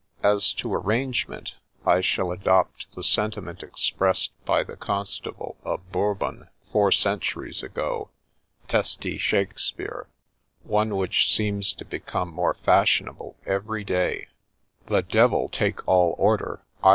As to arrangement, I shall adopt the sentiment expressed by the Constable of Bourbon four centuries ago, tcste Shakespeare, one which seems to become more fashionable every day, 4 The Devil take all order 1